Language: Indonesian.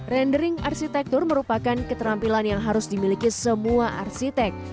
rendering arsitektur merupakan keterampilan yang harus dimiliki semua arsitek